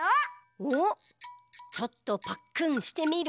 おっちょっとパックンしてみる？